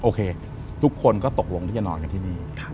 โอเคทุกคนก็ตกลงที่จะนอนกันที่นี่